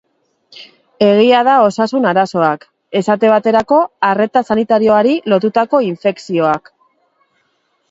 Egia da osasun arazoak, esate baterako arreta sanitarioari lotutako infekzioak.